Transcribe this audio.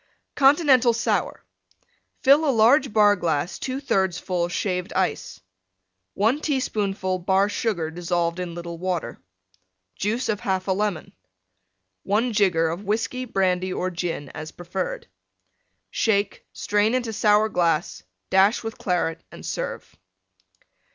CONTINENTAL SOUR Fill a large Bar glass 2/3 full Shaved Ice. 1 teaspoonful Bar Sugar dissolved in little Water. Juice of 1/2 Lemon. 1 jigger of Whiskey, Brandy or Gin, as preferred. Shake; strain into Sour glass; dash with Claret and serve.